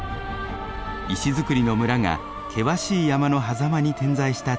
石造りの村が険しい山のはざまに点在した地域です。